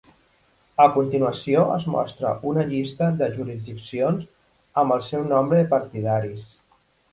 A continuació es mostra una llista de jurisdiccions amb el seu nombre de partidaris.